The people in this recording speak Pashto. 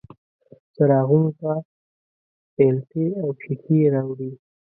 څراغونو ته پیلتې او ښیښې راوړي